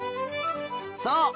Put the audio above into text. そう！